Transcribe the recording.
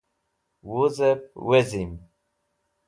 Wuzep wezim